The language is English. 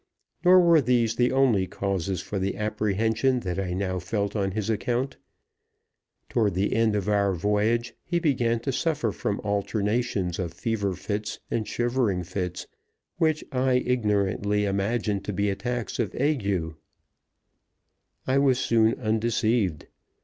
Nor were these the only causes for the apprehension that I now felt on his account. Toward the end of our voyage he began to suffer from alternations of fever fits and shivering fits, which I ignorantly imagined to be attacks of ague. I was soon undeceived.